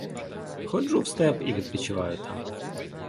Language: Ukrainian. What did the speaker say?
Ходжу в степ і відпочиваю там.